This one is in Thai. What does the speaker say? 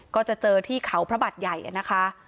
ก็จะเจอที่เขาพระบัตรใหญ่นะคะ